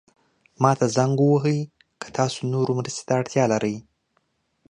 ما ته زنګ ووهئ که تاسو نورو مرستې ته اړتیا لرئ.